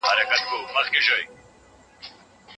ايا حضوري تدريس د تمرینونو ارزونه فوری کوي؟